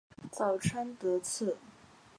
早川德次